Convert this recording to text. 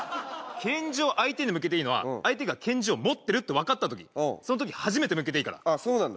拳銃を相手に向けていいのは相手が拳銃を持ってるってわかったときそのとき初めて向けていいからあっそうなんだ